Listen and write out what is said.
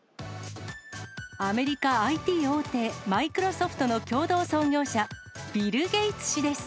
アメリカＩＴ大手、マイクロソフトの共同創業者、ビル・ゲイツ氏です。